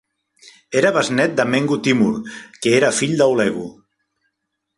Era besnet de mengu Timur, que era fill de Hulegu.